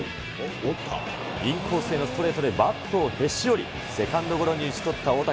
インコースへのストレートでバットをへし折り、セカンドゴロに打ち取った大竹。